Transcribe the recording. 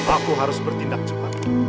aku harus bertindak cepat